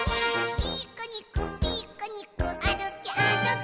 「ピクニックピクニックあるけあるけ」